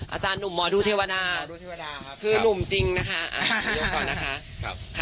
อาจารย์หนุ่มหมอดูเทวดาหมอดูเทวดาครับคือหนุ่มจริงนะคะอ่ายกก่อนนะคะครับ